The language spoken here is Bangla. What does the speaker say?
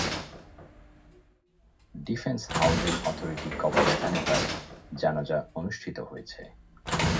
ডিফেন্স হাউজিং অথরিটি কবরস্থানে তাঁর জানাজা অনুষ্ঠিত হয়েছে।